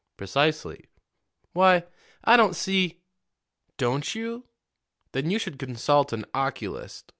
"Precisely." "Why, I don't see " "Don't you? Then you should consult an oculist.